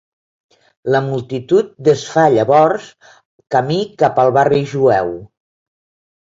La multitud desfà llavors camí cap al barri jueu.